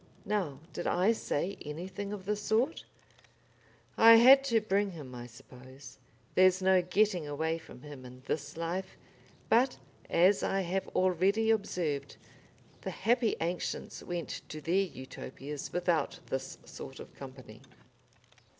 Now did I say anything of the sort? ... I had to bring him, I suppose; there's no getting away from him in this life. But, as I have already observed, the happy ancients went to their Utopias without this sort of company.